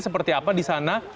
seperti apa di sana